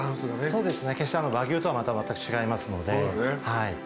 そうですね和牛とはまたまったく違いますので。